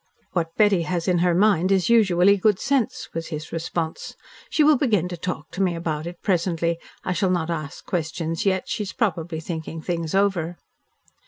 "What Betty has in her mind is usually good sense," was his response. "She will begin to talk to me about it presently. I shall not ask questions yet. She is probably thinking things over."